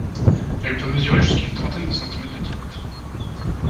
Elle peut mesurer jusqu'à une trentaine de centimètres de diamètre.